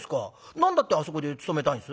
何だってあそこで勤めたいんです？」。